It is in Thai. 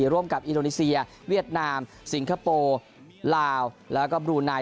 ร่วมกับอินโดนีเซียเวียดนามสิงคโปร์ลาวแล้วก็บลูไน